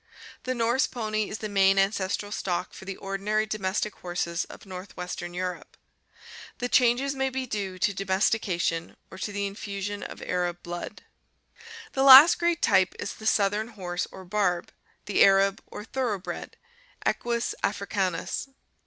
The Norse pony is the main ancestral stock for the ordinary domestic horses of northwestern Europe. The changes may be due to domestication or to the infusion of Arab blood. The last great type is the southern horse or barb, the Arab or thoroughbred, Equus africanus.